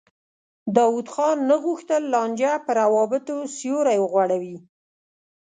داود خان نه غوښتل لانجه پر روابطو سیوری وغوړوي.